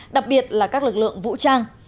đặc biệt là các lực lượng vũ trang